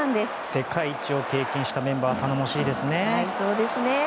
世界一を経験したメンバー頼もしいですね。